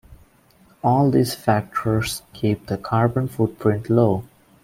All these factors keep the carbon footprint low.